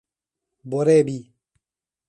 Borebi